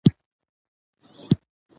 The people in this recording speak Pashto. دولت به تر هغه وخته پورې نوي ښوونځي جوړوي.